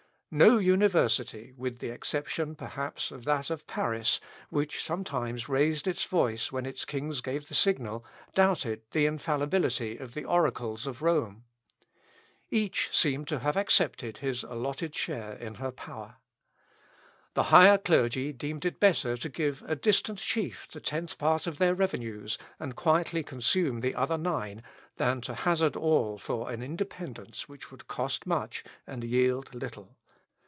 No University, with the exception, perhaps, of that of Paris, which sometimes raised its voice when its kings gave the signal, doubted the infallibility of the oracles of Rome. Each seemed to have accepted his alloted share in her power. The higher clergy deemed it better to give a distant chief the tenth part of their revenues, and quietly consume the other nine, than to hazard all for an independence which would cost much and yield little.